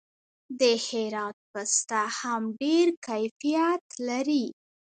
د هرات پسته هم ډیر کیفیت لري.